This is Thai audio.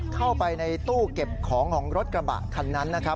เข้าไปในตู้เก็บของของรถกระบะคันนั้นนะครับ